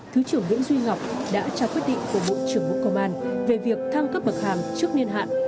thứ trưởng nguyễn duy ngọc đã trao quyết định của bộ trưởng bộ công an về việc thăng cấp bậc hàm trước niên hạn